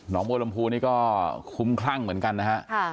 น้องโบรมภูนี่ก็คุ้มครั่งเหมือนกันนะฮะค่ะ